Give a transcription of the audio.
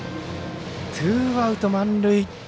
ツーアウト、満塁。